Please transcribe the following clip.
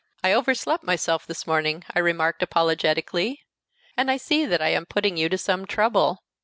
"I overslept myself this morning," I remarked apologetically, "and I see that I am putting you to some trouble.